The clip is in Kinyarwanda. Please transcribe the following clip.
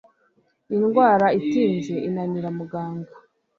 indwara itinze, inanira muganga